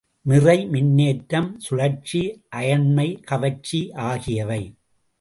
நிறை, மின்னேற்றம், சுழற்சி, அயன்மை, கவர்ச்சி ஆகியவை.